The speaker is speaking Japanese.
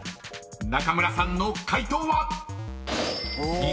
［中村さんの解答は？］